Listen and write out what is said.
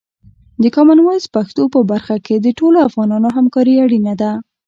د کامن وایس پښتو په برخه کې د ټولو افغانانو همکاري اړینه ده.